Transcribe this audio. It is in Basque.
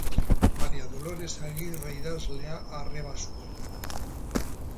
Maria Dolores Agirre idazlea arreba zuen.